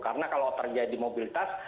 karena kalau terjadi mobilitas